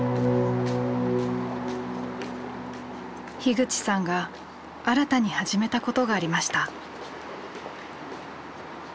口さんが新たに始めたことがありました。